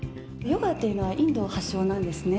ヨガというのはインド発祥なんですね。